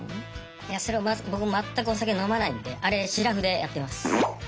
いやそれをまず僕全くお酒飲まないんであれシラフでやってます。